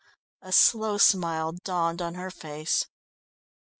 A slow smile dawned on her face.